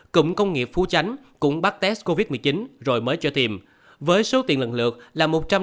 cụng công nghiệp phú chánh cũng bắt test covid một mươi chín rồi mới cho tiêm với số tiền lần lượt là một trăm năm mươi